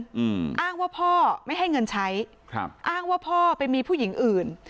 อืมอ้างว่าพ่อไม่ให้เงินใช้ครับอ้างว่าพ่อไปมีผู้หญิงอื่น